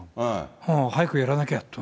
早くやらなきゃってね。